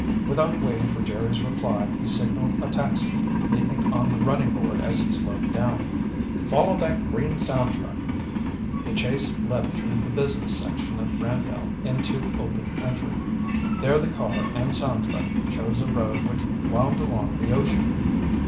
Without waiting for Jerry's reply, he signaled a taxi, leaping on the running board as it slowed down. "Follow that green sound truck!" The chase led through the business section of Brandale into open country. There the car and sound truck chose a road which wound along the ocean.